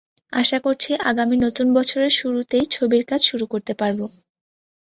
আশা করছি, আগামী নতুন বছরের শুরুতেই ছবির কাজ শুরু করতে পারব।